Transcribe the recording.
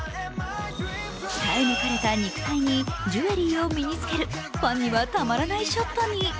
鍛え抜かれた肉体にジュエリーを身に着けるファンにはたまらないショットに。